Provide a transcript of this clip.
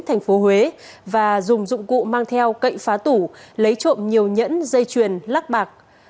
thành phố huế và dùng dụng cụ mang theo cậy phá tủ lấy trộm nhiều nhẫn dây chuyền lắc bạc